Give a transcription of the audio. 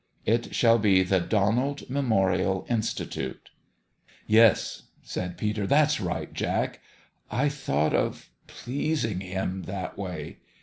" It shall be the Donald Memorial Institute." "Yes," said Peter; "that's right, Jack. I thought of pleasing him that way.